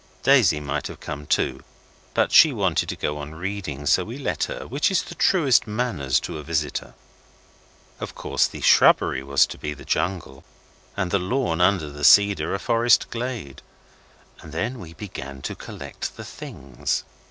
Daisy might have come too, but she wanted to go on reading, so we let her, which is the truest manners to a visitor. Of course the shrubbery was to be the jungle, and the lawn under the cedar a forest glade, and then we began to collect the things.